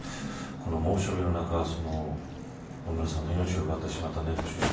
この猛暑日の中野村さんの命を奪ってしまった熱中症。